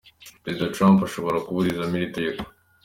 Perezida Trump ashobora kuburizamo iri tegeko.